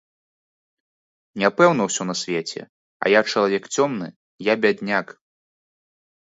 Няпэўна ўсё на свеце, а я чалавек цёмны, я бядняк.